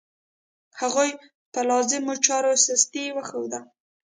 هغوی په لازمو چارو کې سستي وښوده.